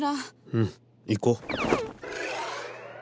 うん行こう。